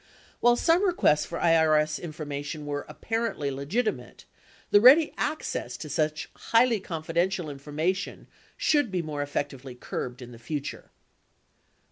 While some re quests for IRS information were apparently legitimate, the ready access to such highly confidential information should be more effec tively curbed in the future.